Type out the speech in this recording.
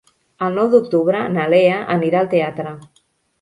El nou d'octubre na Lea anirà al teatre.